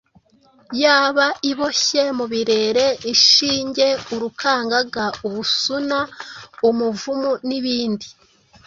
yaba iboshye mu birere, ishinge, urukangaga, ubusuna, umuvumu n’ibindi.